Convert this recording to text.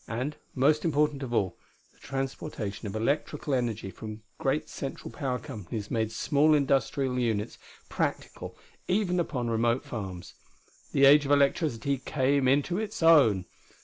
And, most important of all, the transportation of electrical energy from great central power companies made small industrial units practical even upon remote farms. The age of electricity came into its own.